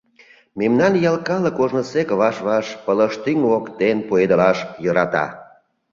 — Мемнан ял калык ожнысек ваш-ваш пылыштӱҥ воктен пуэдылаш йӧрата.